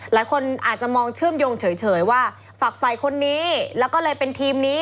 หลายคนอาจจะมองเชื่อมโยงเฉยว่าฝักไฟคนนี้แล้วก็เลยเป็นทีมนี้